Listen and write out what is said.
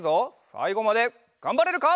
さいごまでがんばれるか？